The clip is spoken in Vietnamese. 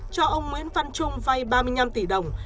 cho ông nguyễn văn trung vay ba mươi năm tỷ đồng